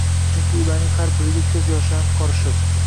Chunki ularning har biriga ko`z yoshlarim qorishiq